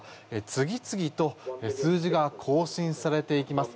次々と数字が更新されていきます。